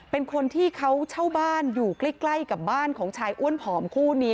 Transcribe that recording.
เป็นคนที่เขาเช่าบ้านอยู่ใกล้กับบ้านของชายอ้วนผอมคู่นี้